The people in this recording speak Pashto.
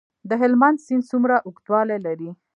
د هلمند سیند څومره اوږدوالی لري؟